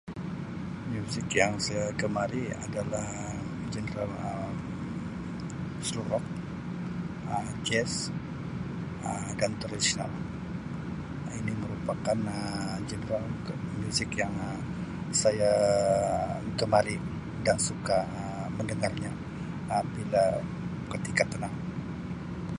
Muzik yang saya gemari adalah genre Um slow rock, Um jazz Um dan tradisional ini merupakan Um genre muzik yang Um saya gemari dan suka Um mendengarnya apabila ketika tenang.